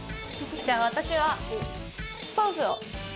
じゃあ私はソースを。